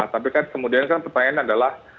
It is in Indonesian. tapi kan kemudian kan pertanyaan adalah